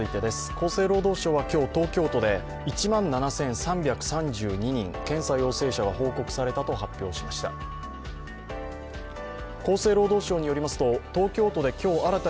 厚生労働省は今日、東京都で１万７３３２人、検査陽性者が報告されたと発表しました。